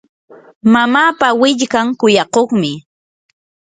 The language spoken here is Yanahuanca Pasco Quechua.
mamapa willkan kuyakuqmi.